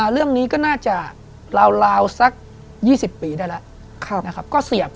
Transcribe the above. เรื่องนี้ก็น่าจะราวสัก๒๐ปีได้แล้วนะครับ